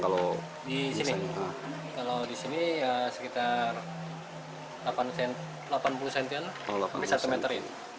kalau disini sekitar delapan puluh cm hingga satu meter